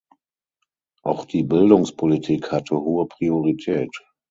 Auch die Bildungspolitik hatte hohe Priorität.